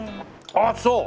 ああそう！